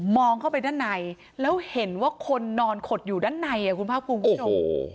เข้าไปด้านในแล้วเห็นว่าคนนอนขดอยู่ด้านในคุณภาคภูมิคุณผู้ชม